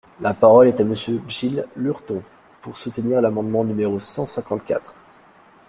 La parole est à Monsieur Gilles Lurton, pour soutenir l’amendement numéro cent cinquante-quatre.